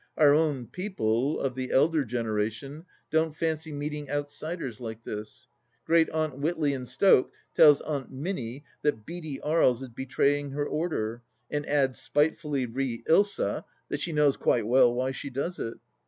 Our own people, of the elder generation, don't fancy meeting outsiders like this. Great Aunt Witley and Stoke tells Aunt Minna that Beaty Aries is betraying her order, and adds spitefully, re Ilsa, that she knows quite well why she does it.